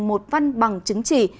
một văn bằng chứng chỉ